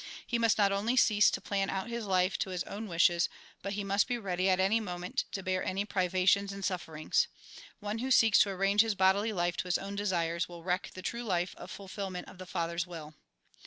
He must not only cease to plan out his life to his own wishes, but he must be ready at any moment to bear any privations and sufferings. One who seeks to arrange his bodily life to his own desires, will i86 THE GOSPEL IN BRIEF wreck the true life of fulfilment of the Father's will.